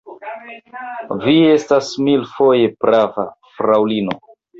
Vi estas milfoje prava, fraŭlino.